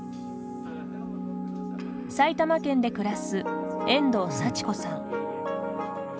埼玉県内で暮らす、遠藤幸子さん。